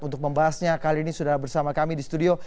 untuk membahasnya kali ini sudah bersama kami di studio